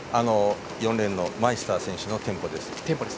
４レーンのマイスター選手のテンポです。